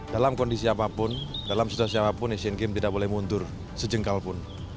dalam kondisi apapun dalam situasi apapun asian games tidak boleh mundur sejengkal pun